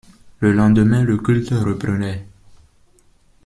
Le lendemain, le culte reprenait.